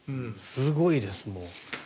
すごいです、もう。